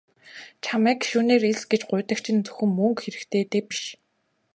Чамайг гишүүнээр элс гэж гуйдаг чинь зөвхөн мөнгө хэрэгтэйдээ биш.